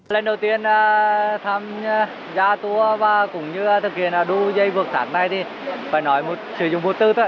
lần đầu tiên tham gia tour và cũng như thực hiện đu dây vượt thẳng này thì phải nói sử dụng vụt tư